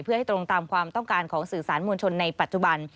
เพื่อให้ตรงตามความต้องการของสื่อสารมวลชนในปัจจุบัน